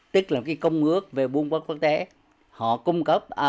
tức là công ước về buôn quốc quốc tế